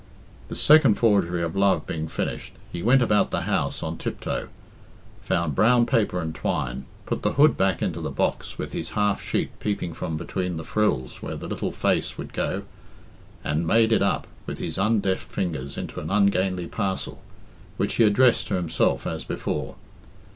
This second forgery of love being finished, he went about the house on tiptoe, found brown paper and twine, put the hood back into the box with his half sheet peeping from between the frills where the little face would go, and made it up, with his undeft fingers, into an ungainly parcel, which he addressed to himself as before.